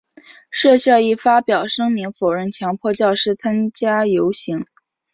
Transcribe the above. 设校亦发表声明否认强迫教师参加游行。